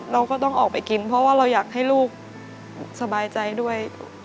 เราก็ต้องออกไปกินเพราะว่าเราอยากให้ลูกสบายใจด้วย